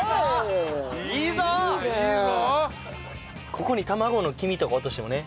ここに卵の黄身とか落としてもね。